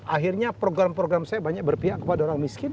akhirnya program program saya banyak berpihak kepada orang miskin